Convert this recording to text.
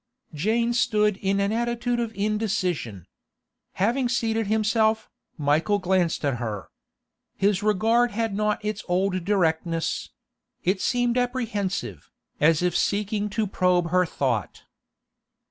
Jane stood in an attitude of indecision. Having seated himself, Michael glanced at her. His regard had not its old directness; it seemed apprehensive, as if seeking to probe her thought.